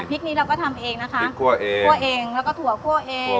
นี้เราก็ทำเองนะคะคั่วเองคั่วเองแล้วก็ถั่วคั่วเอง